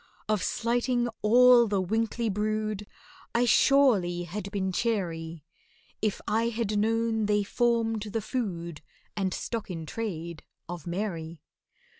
Of slighting all the winkly brood I surely had been chary, If I had known they formed the food And stock in trade of MARY.